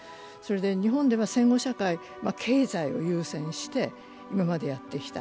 日本では戦後社会、経済を優先して今までやってきた。